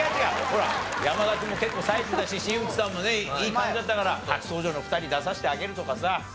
ほら山田君も結構さえてたし新内さんもねいい感じだったから初登場の２人に出させてあげるとかさ。